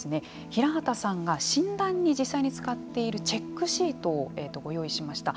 平畑さんが診断に実際に使っているチェックシートをご用意しました。